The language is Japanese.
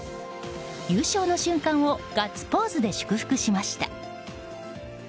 優勝の瞬間をガッツポーズで祝福しました。